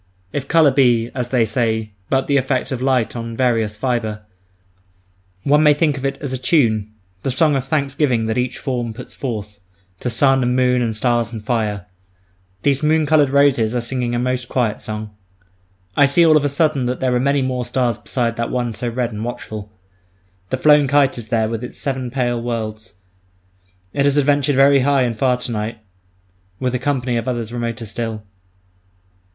If colour be, as they say, but the effect of light on various fibre, one may think of it as a tune, the song of thanksgiving that each form puts forth, to sun and moon and stars and fire. These moon coloured roses are singing a most quiet song. I see all of a sudden that there are many more stars beside that one so red and watchful. The flown kite is there with its seven pale worlds; it has adventured very high and far to night with a company of others remoter still.